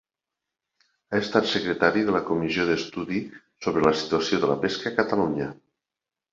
Ha estat Secretari de la Comissió d’Estudi sobre la Situació de la Pesca a Catalunya.